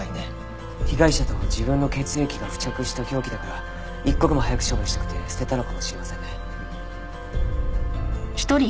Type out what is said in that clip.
被害者と自分の血液が付着した凶器だから一刻も早く処分したくて捨てたのかもしれませんね。